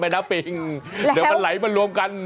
ไม่นะปิงเดี๋ยวมันไหลไปรวมกัน